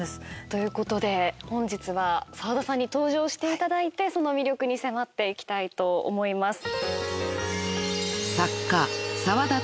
ということで本日は澤田さんに登場していただいてその魅力に迫っていきたいと思います。